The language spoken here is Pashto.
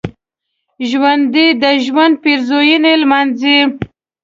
ژوندي د ژوند پېرزوینې لمانځي